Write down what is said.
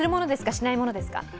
しないものですか？